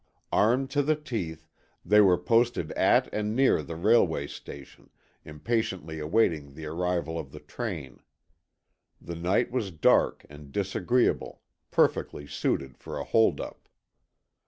Armed to the teeth, they were posted at and near the railway station, impatiently awaiting the arrival of the train. The night was dark and disagreeable, perfectly suited for a hold up.